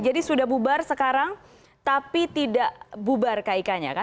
jadi sudah bubar sekarang tapi tidak bubar kayaknya